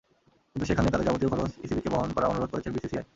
কিন্তু সেখানে তাদের যাবতীয় খরচ ইসিবিকে বহন করার অনুরোধ করছে বিসিসিআই।